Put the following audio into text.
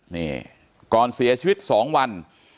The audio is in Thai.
นี่ก่อนเสียชีวิต๒วัน